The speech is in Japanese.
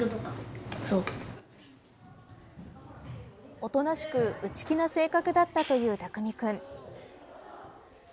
おとなしく内気な性格だったという巧君。